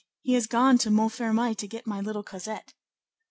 he has gone to Montfermeil to get my little Cosette."